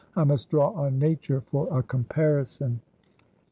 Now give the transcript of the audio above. I must draw on nature for a comparison.